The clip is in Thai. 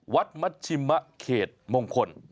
มัชชิมะเขตมงคล